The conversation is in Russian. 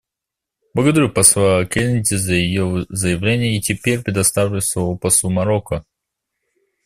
Благодарю посла Кеннеди за ее заявление и теперь предоставляю слово послу Марокко.